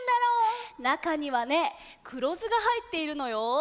なかにはねくろずがはいっているのよ。